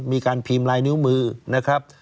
มีการพิมพ์ลายนิ้วมือนะครับ